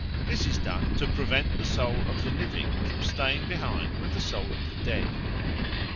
This is done to prevent the soul of the living from staying behind with the soul of the dead.